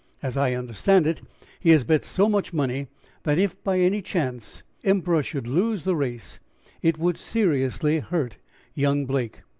As I understand it, he has bet so much money that if by any chance Emperor should lose the race it would seriously hurt young Blake.